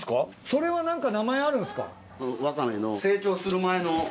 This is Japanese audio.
それは何か名前あるんですか？